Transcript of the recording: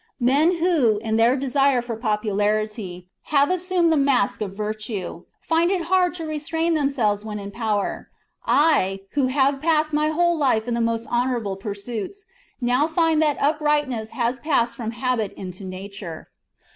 Men who, in their desire for popularity, 212 THE JUGURTHINE WAR. CHAP, have assumed the mask of virtue, find it hard to LXXXV. restrain themselves when in power; I, who have passed my whole life in the most honourable pursuits, now find that uprightness has passed from habit into nature.